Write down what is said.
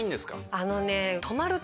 あのね。